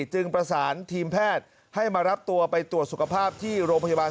จึงประสานทีมแพทย์ให้มารับตัวไปตรวจสุขภาพที่โรงพยาบาล